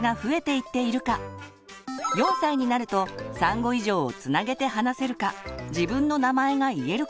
４歳になると３語以上をつなげて話せるか自分の名前が言えるか。